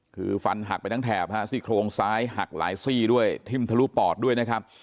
คือฟันหักไปทั้งแถบฮะซี่โครงซ้ายหักหลายซี่ด้วยทิ่มทะลุปอดด้วยนะครับ